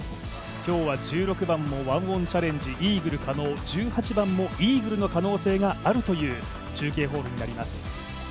今日は１６番も１オンチャレンジイーグル可能、１８番もイーグルの可能性があるという中継ホールになります。